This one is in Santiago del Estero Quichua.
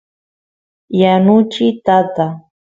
yanuchiy tata